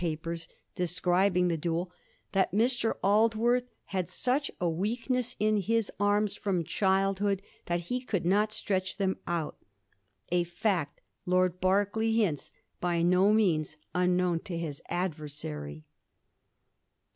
wortli Papers, describing the duel, that Mr. Aldworth had such a weakness in his arms from childhood that he could not stretch them out, a fact, Lord Berkeley hints, by no means unknown to his adversary.